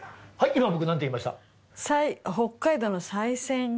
今僕何て言いました？